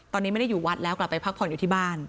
ตอนนี้ไม่ได้อยู่วัดแล้วกลับไปพักผ่อนอยู่ที่บ้าน